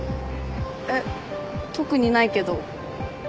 えっ特にないけど。